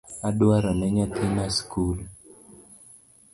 Adwarone nyathina sikul